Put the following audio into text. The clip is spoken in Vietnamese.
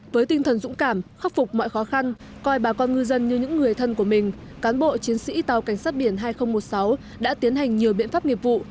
với tinh thần dũng cảm khắc phục mọi khó khăn coi bà con ngư dân như những người thân của mình cán bộ chiến sĩ tàu cảnh sát biển hai nghìn một mươi sáu đã tiến hành nhiều biện pháp nghiệp vụ